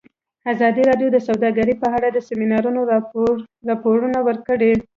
ازادي راډیو د سوداګري په اړه د سیمینارونو راپورونه ورکړي.